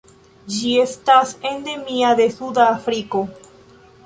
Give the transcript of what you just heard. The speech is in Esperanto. Ĝi estas endemia de suda Afriko.